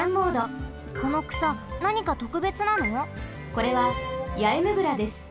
これはヤエムグラです。